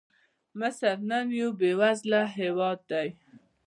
مصر نن یو بېوزله هېواد دی.